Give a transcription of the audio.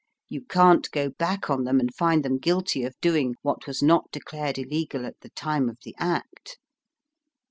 You can't go back on them and find them guilty of doing what was not declared illegal at the time of the Act.